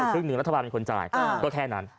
ครึ่งหนึ่งรัฐบาลเป็นคนจ่ายก็แค่นั้น